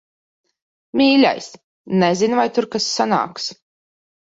Mīļais, nezinu, vai tur kas sanāks.